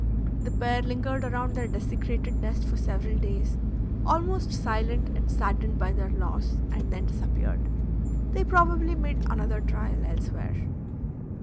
The pair lingered around their desecrated nest for several days, almost silent, and saddened by their loss, and then disappeared. They probably made another trial elsewhere.